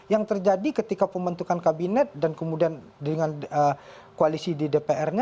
yang terjadi ketika pembentukan kabinet dan kemudian dengan koalisi di dpr nya